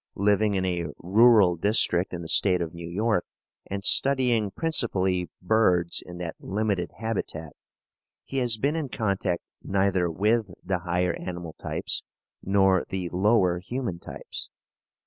Living in a rural district in the state of New York, and studying principally birds in that limited habitat, he has been in contact neither with the higher animal types nor the lower human types.